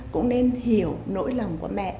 cũng nên hiểu nỗi lòng của mẹ